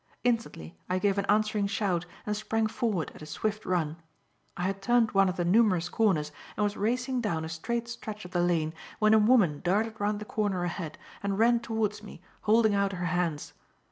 Instantly I gave an answering shout and sprang forward at a swift run. I had turned one of the numerous corners and was racing down a straight stretch of the lane when a woman darted round the corner ahead, and ran towards me, holding out her hands.